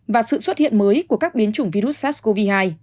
và sự xuất hiện mới của các biến chủng virus sars cov hai